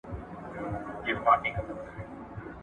که کار وي نو برکت وي.